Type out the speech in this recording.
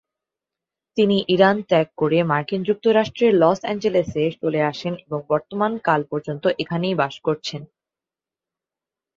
তিনি ইরান ত্যাগ করে মার্কিন যুক্তরাষ্ট্রের লস অ্যাঞ্জেলেসে চলে আসেন এবং বর্তমান কাল পর্যন্ত এখানেই বাস করছেন।